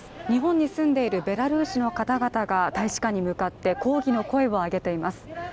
日本に住んでいるベラルーシの方々が大使館に向かって抗議の声を上げています。